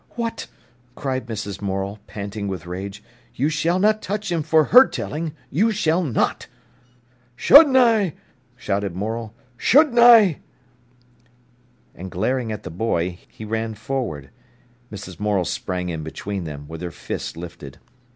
"What!" cried Mrs. Morel, panting with rage. "You shall not touch him for her telling, you shall not!" "Shonna I?" shouted Morel. "Shonna I?" And, glaring at the boy, he ran forward. Mrs. Morel sprang in between them, with her fist lifted.